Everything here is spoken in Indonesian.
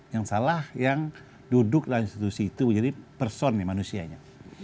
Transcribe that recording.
yang salah yang duduk dalam institusi itu menjadi person manusianya